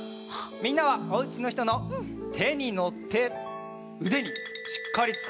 みんなはおうちのひとのてにのってうでにしっかりつかまって。